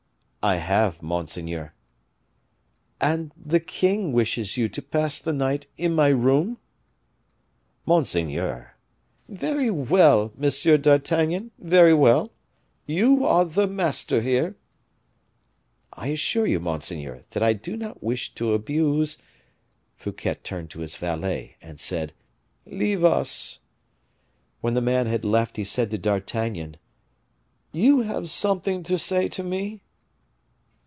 "I have, monseigneur." "And the king wishes you to pass the night in my room?" "Monseigneur " "Very well, Monsieur d'Artagnan, very well. You are the master here." "I assure you, monseigneur, that I do not wish to abuse " Fouquet turned to his valet, and said, "Leave us." When the man had left, he said to D'Artagnan, "You have something to say to me?"